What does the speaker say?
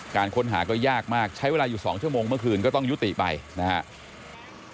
การค้นหาก็ยากมากใช้เวลาอยู่๒ชั่วโมงเมื่อคืนก็ต้องยุติไปนะครับ